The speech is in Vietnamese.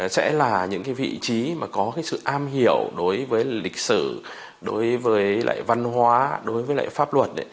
sẽ là những vị trí có sự am hiểu đối với lịch sử đối với văn hóa đối với pháp luật